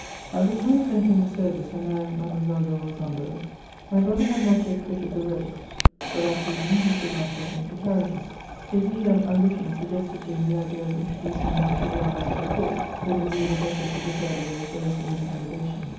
At the time of entering the service, and marrying Made moiselle de RoswSibo, my brother had not yet quitted the robe ; for that reason he could not get into carriages. His M 2 164 MEMOIRS OF eager ambition sugg^ested to him the idea of introdudng me to the honours of the court, with a yiew the better to prepare the way for his own elevation.